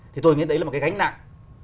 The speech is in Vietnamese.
thì tôi nghĩ đấy là một cái gánh nặng